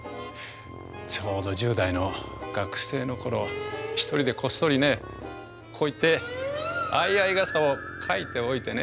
ちょうど１０代の学生の頃１人でこっそりねこういって相合い傘を描いておいてね。